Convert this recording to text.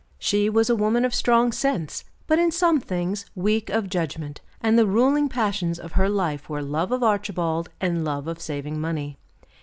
She was a woman of strong sense, but, in some things, weak of judgment; and the ruling passions of her life were love of Archibald and love of saving money.